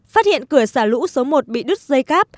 phát hiện cửa xả lũ số một bị đứt dây cáp